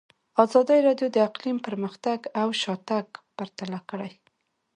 ازادي راډیو د اقلیم پرمختګ او شاتګ پرتله کړی.